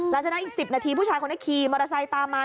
ฉะนั้นอีก๑๐นาทีผู้ชายคนนี้ขี่มอเตอร์ไซค์ตามมา